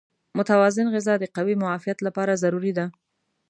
متوازن غذا د قوي معافیت لپاره ضروري ده.